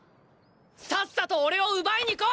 さっさとおれを奪いに来い！！